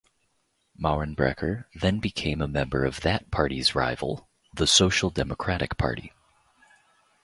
Maurenbrecher then became a member of that party's rival, the Social Democratic Party.